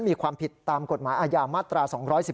มีความผิดตามกฎหมายอาญามาตรา๒๑๒